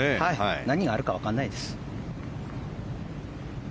何があるか分からないです。